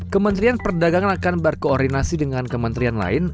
kementerian perdagangan akan berkoordinasi dengan kementerian lain